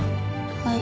はい。